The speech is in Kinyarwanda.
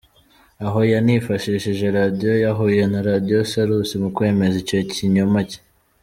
Aho yanifashishije radio ya Huye na radio salus mukwemeza icyo kinyoma cye.